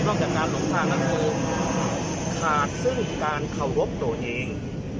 จากการหลงทางสังคมขาดซึ่งการเคารพตัวเอง